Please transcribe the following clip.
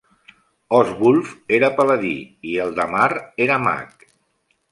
Oswulf era paladí i Eldamar era mag.